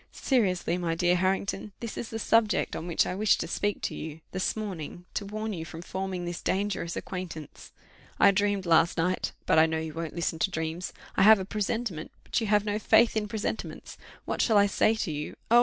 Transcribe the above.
Seriously, my dear Harrington, this is the subject on which I wished to speak to you this morning, to warn you from forming this dangerous acquaintance. I dreamed last night but I know you won't listen to dreams; I have a presentiment but you have no faith in presentiments: what shall I say to you? Oh!